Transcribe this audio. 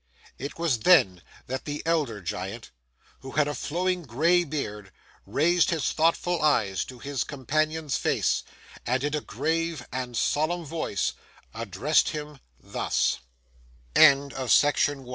It was then that the elder Giant, who had a flowing gray beard, raised his thoughtful eyes to his companion's face, and in a grave and solemn voice addressed him thus: FIRST NIGHT OF THE GI